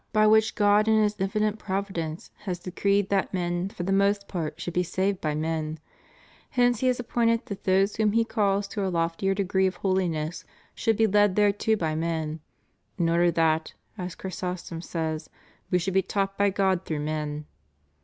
447 by which God in His infinite providence has decreed that men for the most part should be saved by men; hence He has appointed that those whom He calls to a loftier degree of hohness should be led thereto by men, "in order that," as Chrysostom says, "we should be taught by God through men."